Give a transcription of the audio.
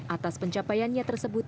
atas pencapaiannya tersebut